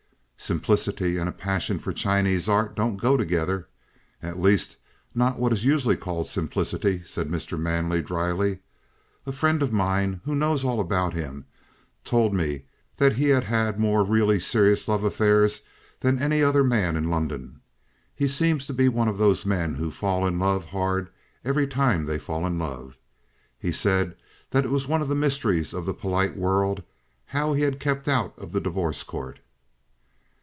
"Simplicity and a passion for Chinese art don't go together at least, not what is usually called simplicity," said Mr. Manley dryly. "A friend of mine, who knows all about him, told me that he had had more really serious love affairs than any other man in London. He seems to be one of those men who fall in love hard every time they fall in love. He said that it was one of the mysteries of the polite world how he had kept out of the Divorce Court."